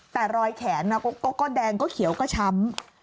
แต่รอยแขนก็แดงก็เขียวก็ช้ำ